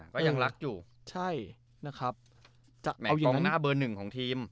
แม่จำหน้าเบอร์หนึ่งของทีม